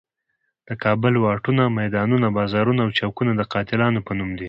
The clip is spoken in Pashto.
د کابل واټونه، میدانونه، بازارونه او چوکونه د قاتلانو په نوم دي.